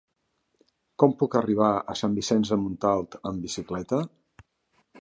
Com puc arribar a Sant Vicenç de Montalt amb bicicleta?